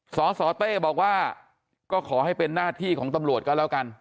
สสเต้บอกว่าก็ขอให้เป็นหน้าที่ของตำรวจก็แล้วกัน